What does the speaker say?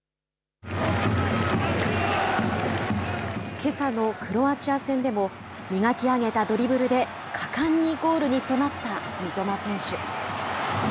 けさのクロアチア戦でも、磨き上げたドリブルで、果敢にゴールに迫った三笘選手。